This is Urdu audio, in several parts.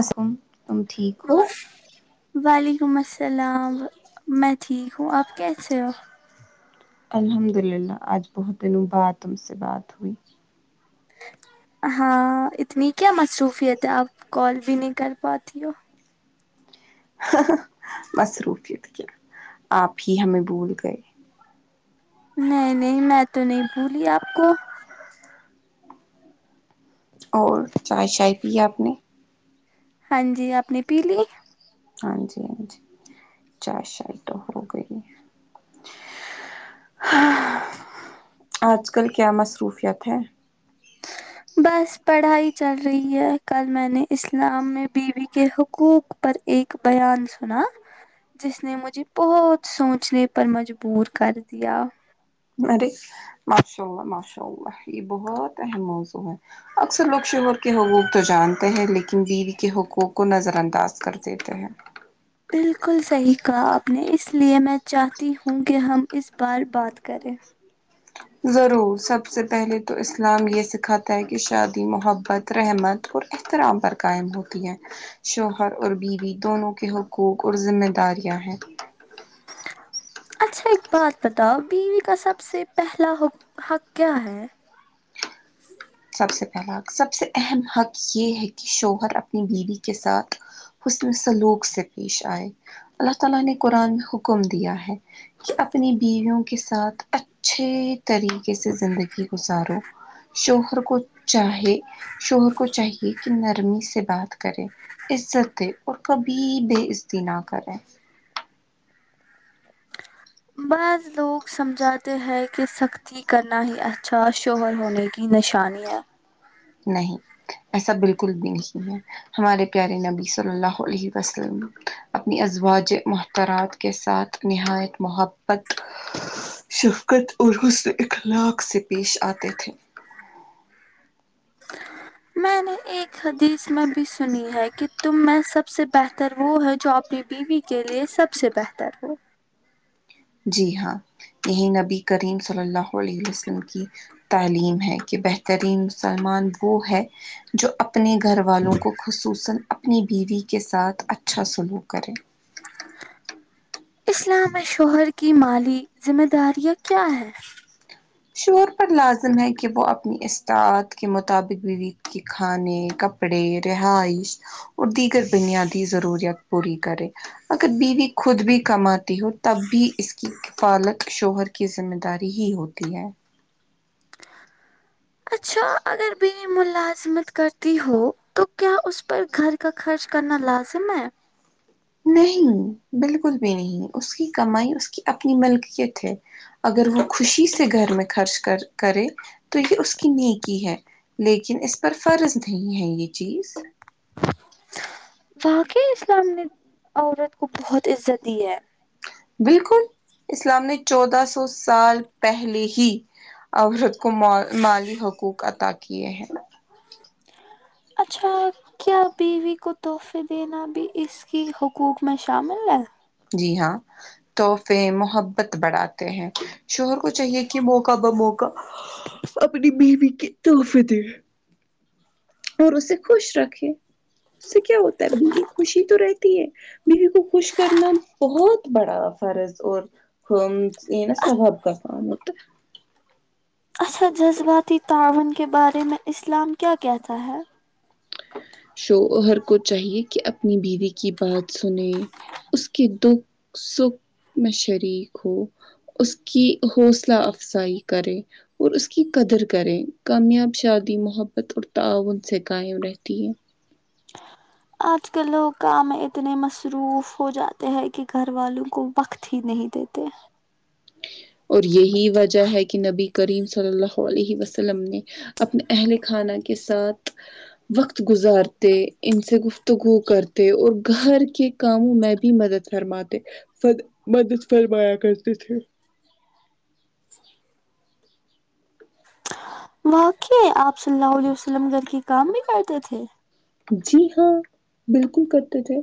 اسلام علیکم تم ٹھیک ہو وعلیکم السلام میں ٹھیک ہوں آپ کیسے ہو الحمد للہ آج بہت دنوں بعد تم سے بات ہوئی ہاں اتنی کیا مصروفیت ہے آپ کال بھی نہیں کر پاتی ہو ہاں ہاں مصروفیت کیا آپ ہی ہمیں بھول گئے نہیں نہیں میں تو نہیں بھولی آپ کو اور چائے شائے پیی اپنے ہاں جی آپنے پی لی ہاں جی ہاں جی چائے شائے تو ہو گئی آج کل کیا مصروفیت ہے آپکی بس پڑھائی چل رہی ہے کل میں نے اسلام میں بیوی کے حقوق پر ایک بیان سنا جس نے مجھے بہت سوچنے پر مجبور کر دیا ارے ماشاء اللہ ماشاء اللہ یہ بہت اہم موضوع ہے اکثر لوگ شوہر کے حقوق تو جانتے ہیں لیکن بیوی کے حقوق کو نظر انداز کر دیتے ہیں بالکل صحیح کہا آپ نے اس لیے میں چاہتی ہوں کہ ہم اس بار بات کریں ضرور سب سے پہلے تو اسلام یہ سکھاتا ہے کہ شادی محبت رحمت اور احترام پر قائم ہوتی ہے شوہر اور بیوی دونوں کے حقوق اور ذمہ داریاں ہیں اچھا ایک بات بتاؤ بیوی کا سب سے پہلا حقوق حق کیا ہے سب سے پہلا سب سے اہم حق یہ ہے کہ شوہر اپنی بیوی کے ساتھ حسن سلوک سے پیش آئے اللہ تعالی نے قرآن میں حکم دیا ہے کہ اپنی بیویوں کے ساتھ اچھے طریقے سے زندگی گزارو شوہر کو چاہے شوہر کو چاہیے کہ نرمی سے بات کرے عزت دے اور کبھی بےعزتی نہ کریں بعض لوگ سمجھاتے ہیں کہ سختی کرنا ہی اچھا اور شوہر ہونے کی نشانی ہے نہیں ایسا بالکل بھی نہیں ہے ہمارے پیارے نبی صلی اللہ علیہ وسلم اپنی ازواجح محترم ترات کے ساتھ نہایت محبت شفقت اور حسن اخلاق سے پیش آتے تھے میں نے حدیث میں بھی سنی ہے کہ تم میں سب سے بہتر وہ ہے جو اپنی بیوی کے لیے سب سب سے بہتر ہو جی ہاں یہی نبی کریم صلی اللہ علیہ وسلم کی تعلیم ہے کہ بہترین مسلمان وہ ہے جو اپنے گھر والوں کو خصوصا اپنی بیوی کے ساتھ اچھا سلوک کرے اسلام میں شوہر کی مالی ذمہ داریاں کیا ہیں شور پر لازم ہے کہ وہ اپنی استاعد کے مطابق بیوی کے کھانے کپ ڑے رہائش اور دیگر بنیادی ضروریات پوری کرے اگر بیوی خود بھی کمات ہو تب بھی اس کی کفالت شوہر کی ذمہ داری ہی ہوتی ہے اچھا اگر بیوی ملازمت کرتی ہو تو کیا اس پر گھر کا خرچ کرنا لازم ہے نہیں بالکل بھی نہیں اس کی کمائی اس کی اپنی ملکیت ہے اگر وہ خوشی سے گھر میں خرچ کر کرے تو یہ اس کی نیکی ہے لیکن اس پر فرض نہیں ہے یہ چیز واقعی اسلام نے عورت کو بہت عزت دی ہے بالکل اسلام نے چودہ سو سال پہلے ہی عورت کو مالی حقوق عطا کیے ہیں اچھا کیا بیوی کو تحفے دینا بھی اس کے حقوق میں شامل ہے جی ہاں تحفے محبت بڑھاتے ہیں شوہر کو چاہیے کہ موقع بہ موقع اپنی بیوی کی توحفے دے اور اسے خوش رکھے اس سے کیا ہوتا ہے بیوی خوشی تو رہتی ہے بیوی کو خوش کرنا بہت بڑا فرض اور آ یہ ناں ثواب کا کام ہوتا ہے اچھا جذباتی تعاون کے بارے میں اسلام کیا کہتا ہے شوہر کو چاہیے کہ اپنی بیوی کی بات سنے اس کے دکھ سکھ میں شریک ہو اس کی حوصلہ افزائی کرے اور اس کی قدر کریں کامیاب شادی محبت اور تعاون سے قائم رہ تی ہے آج کل لوگ کام اتنے مصروف ہوجاتے ہیں کہ گھر والوں کو وقت ہی نہیں دیتے اور یہی وجہ ہے کہ نبی کریم صلی اللہ علیہ وسلم نے اپنے اہل خانہ کے ساتھ وقت گزارتے ان سے گفتگو کرتے اور گھر کے کاموں میں بھی مدد فرماتے مدد فرمایا کرتے تھے واقعی آپ صلی اللہ علیہ وسلم گھر کے کام بھی کرتے تھے جی ہاں بالکل کرتے تھے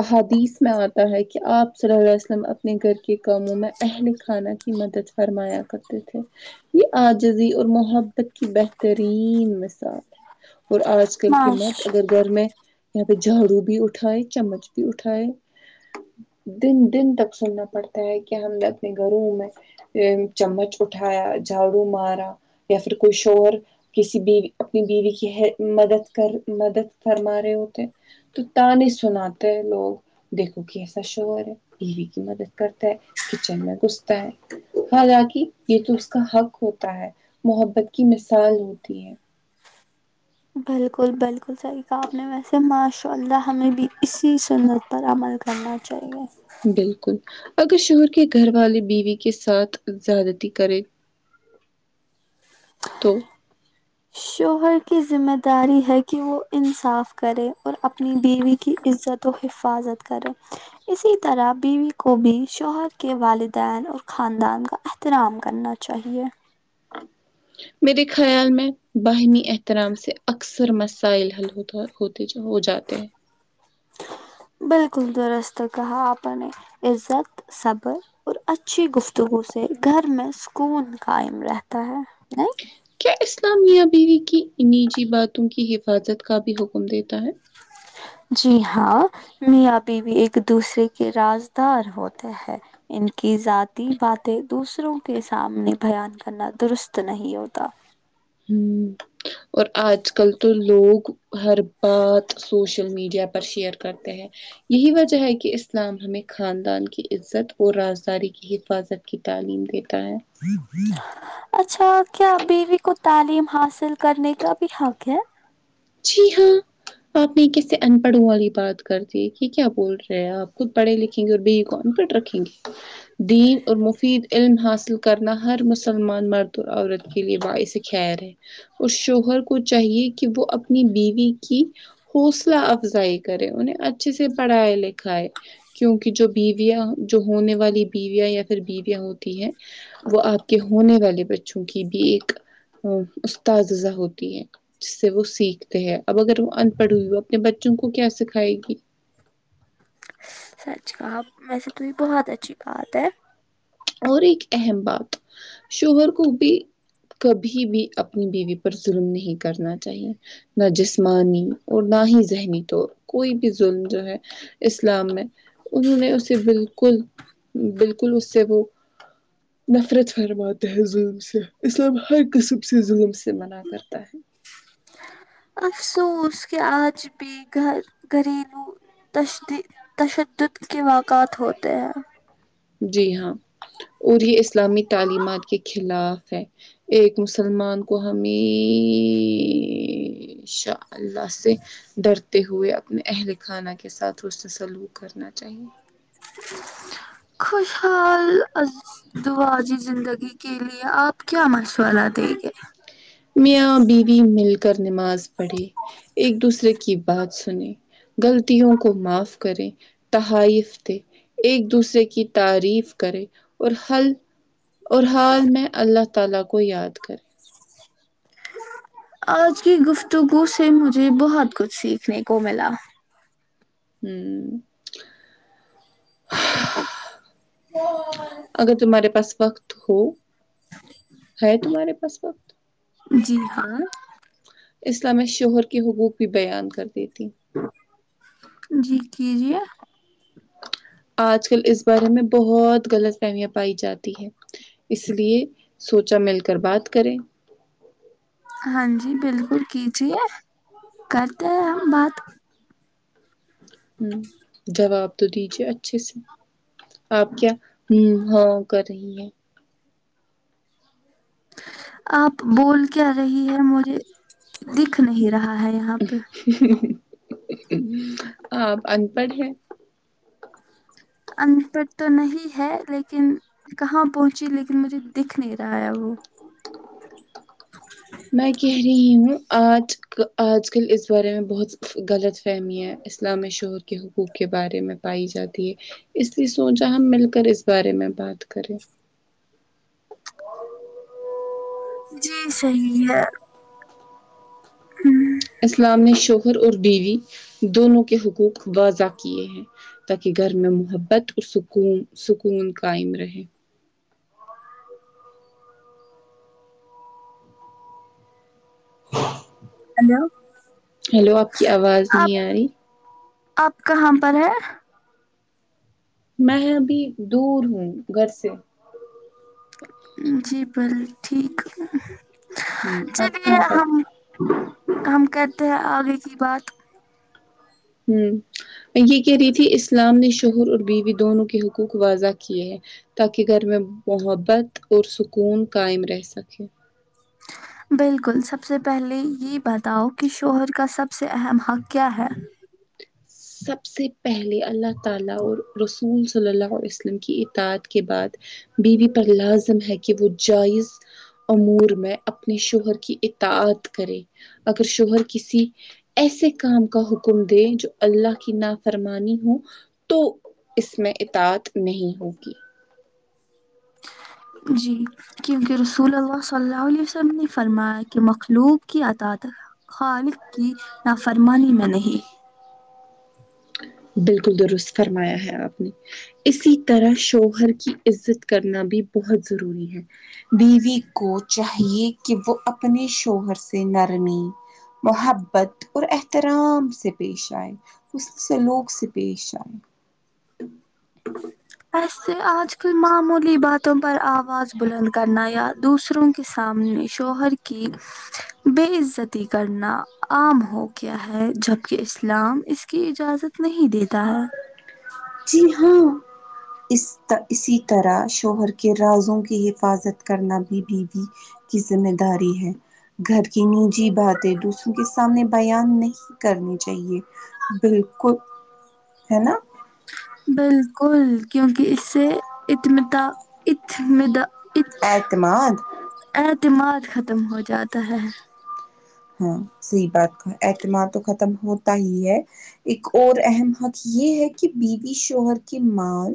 احادیث میں آتا ہے کہ آپ صلی اللہ علیہ وسلم اپنے گھر کے کاموں میں اہل خانہ کی مدد فرمایا کرتے تھے یہ عاجزی اور محبت کی بہترین مثال ہے اور آج کل کے معاش مرد اگر گھر میں یہاں پہ جھاڑو بھی اٹھائے چمچ بھی اٹھائے دن دن تک سننا پڑتا ہے کہ ہم نے اپنے گھروں میں اے چمچ اٹھایا جھاڑو مارا یا پھر کوئی شور کسی بیوی اپنی بیوی کی ہے مدد کر مدد فرما رہے ہوتے تو تانے سناتے ہیں لوگ دیکھو کیسا شوہر ہے بیوی کی مدد کرتا ہے کچن میں گھستا ہے حالانکہ یہ تو اس کا حق ہوتا ہے محبت کی مثال ہوتی ہے بالکل بالکل صحیح کہا آپ نے ویسے ماشاء اللہ ہمیں بھی اسی سنت پر عمل کرنا چاہیے بالکل اگر شوہر کے گھر والے بیوی کے ساتھ زیادتی کرے تو شوہر کی ذمہ داری ہے کہ وہ انصاف کرے اور اپنی بیوی کی عزت تو حفاظت کرے اسی طرح بیوی کو بھی شوہر کے والدین اور خاندان کا اح ترام کرنا چاہیے [inaudible] میرے خیال میں باہمی احترام سے اکثر مسائل حل ہوتا ہے ہوتے جو ہوجاتے ہیں بالکل درست کہا آپ نے عزت صبر اور اچھی گفتگو سے گھر میں سکون قائم رہتا ہے نئی کیا اسلام میاں بیوی کی نجی باتوں کی حفاظت کا بھی حکم دیتا ہے جی ہاں میاں بیوی ایک دوسرے کے رازدار ہوتے ہیں ان کی ذاتی باتیں دوسروں کے سامنے بیان کرنا درست نہیں ہوتا ہوں اور آج کل تو لوگ ہر بات سوشل میڈیا پر شیئر کرتے ہیں یہی وجہ ہے کہ اسلام ہمیں خاندان کی عزت اور رازداری کی حفاظت کی تعلیم دیتا ہے اچھا کیا بیوی کو تعلیم حاصل کرنے کا بھی حق ہے جی ہاں آپ نے کیسے ان پڑھوں والی بات کر دی کہ کیا بول رہے ہیں آپ خود پڑھے لکھے ہیں اور بیوی کو ان پڑھ رکھیں گے دین اور مفید علم حاصل کرنا ہر مسلمان مرد اور عورت کے لیے باعث خیر ہے اس شوہر کو چاہیے کہ وہ اپ نی بیوی کی حوصلہ افزائی کرے انہیں اچھے سے پڑھائے لکھائے کیونکہ جو بیویا جو ہونے والی بیویا یا پھر بیویا ہوتی ہے وہ آپ کے ہونے والے بچوں کی بھی ایک استاذذہ ہوتی ہے جس سے وہ سیکھ تے ہےاب اگر وہ ان پڑھ ہوئی وہ اپنے بچوں کو کیا سکھائے گی سچ کہا ویسے تو یہ بہت اچھی بات ہے اور ایک اہم بات شوہر کو بھی کبھی بھی اپنی بیوی پر ظلم نہیں کرنا چاہیے نہ جسمانی اور نہ ہی ذہنی طور کوئی بھی ظلم جو ہے اسلام میں انہوں نے اسے بالکل بالکل اس سے وہ نفرت فرماتے ہیں ظلم سے اسلام ہر قسم سے ظلم سے منع کرتا ہے افسوس کہ آج بھی گھر گھریلو تش تشدد کے واقعات ہوتے ہیں جی ہاں اور یہ اسلامی تعلیمات کے خلاف ہے ایک مسلمان کو ہمیییشہ اللہ سے ڈرتے ہوئے اپنے اہل خانہ کے ساتھ حسن سلوک کرنا چاہیے خوشحال دعاجی زندگی کے لیے آپ کیا مشورہ دیں گے میاں بیوی مل کر نماز پڑھی ایک دوسرے کی بات سنی غلطیوں کو معاف کریں تحائف دے ایک دوسرے کی تعریف کرے اور حل اور حال میں اللہ تعالی کو یاد کرے آج کی گفتگو سے مجھے بہت کچھ سیکھنے کو ملا ہوں اگر تمہارے پاس وقت ہو ہے تمہارے پاس وقت جی ہاں اسلام میں شوہر کے حقوق بھی بیان کردیتی ہو جی کیجیے آج کل اس بارے میں بہت غلط فہمیاں پائی جاتی ہے اس لیے سوچا مل کر بات کریں ہاں جی بالکل کیجیے کرتے ہیں ہم بات جواب تو دیجیے اچھے سے آپ کیا ہاں کر رہی ہے آپ بول کے رہی ہے مجھے دیکھ نہیں رہا ہے یہاں پہ آپ ان پڑھ ہیں ان پڑھ تو نہیں ہے لیکن کہاں پہنچی لیکن مجھے دیکھ نہیں رہا ہے وہ میں کہہ رہی ہوں آج آج کل اس بارے میں بہت غلط فہمیاں اسلام شہور کے حقوق کے بارے میں پائی جاتی ہے اسلیے سوچا ہم مل کر اس بارے میں بات کریں جی صحیح ہے امم اسلام نے شوہر اور بیوی دونوں کے حقوق واضح کیے ہیں تاکہ گھر میں محبت اور سکون سکون قائم رہے ہیلو ہیلو آپ کی آواز آپ نہیں آ رہی آپ کہاں پر ہے میں ابھی دور ہوں گھر سے جی بل ٹھیک ہوں آپ چلیے کہاں پر ہم ہم کہتے ہیں آگے کی بات ہم یہ کہہ رہی تھی اسلام نے شوہر اور بیوی دونوں کے حقوق واضح کیے ہیں تاکہ گھر میں محبت اور سکون قائم رہ سکے بالکل سب سے پہلے یہ بتاؤ کہ شوہر کا سب سے اہم حق کیا ہے سب سے پہلے اللہ تعالی اور رسول صلی اللہ عیہ وسلم کی اتاعت کے بعد بیوی پر لازم ہے کہ وہ جائز امور میں اپنے شوہر کی اطاعت کرے اگر شوہر کسی ایسے کام کا حکم دیں جو اللہ کی نافرمانی ہوں تو اس میں اطاعت نہیں ہوگی جی کیوکہ رسول اللہ صلی علی وسلم سلام فرمایا کہ مخلوک کی اطاعت خالق کی نافرمانی میں نہیں بالکل درست فرمایا ہے آپ نے اسی طرح شوہر کی عزت کرنا بھی بہت ضروری ہے بیوی کو چاہیے کہ وہ اپنے شوہر سے نرمی محبت اور احترام سے پیش ائے حسن سلوک سے پیش آئے آج سے آج کل معمول باتوں پر آواز بلند کرنا یا دوسروں کے سامنے شوہر کی بے عزتی کرنا عام ہو گیا ہے جب کہ اسلام اس کی اجازت نہیں دیتا ہے جی ہاں اس اسی طرح شوہر کے رازوں کی حفاظت کرنا بھی بیوی کی ذمہ داری ہے گھر کی نجی باتیں دوسروں کے سامنے بیان نہیں کرنی چاہیے بالکل ہے نا بالکل کیوکہ اس سے یتمیدہ یتمیدہ اعتماد اعتماد ختم ہو جاتا ہے ہم صحیح بات اعتماد تو ختم ہوتا ہی ہے ایک اور اہم حق یہ ہے کہ بیوی شوہر کی مال